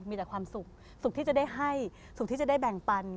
มีแต่ความสุขสุขที่จะได้ให้สุขที่จะได้แบ่งปัน